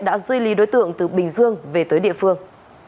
đã dư ly đối tượng từ bình dương về tới địa phương